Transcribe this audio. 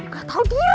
gak tau diri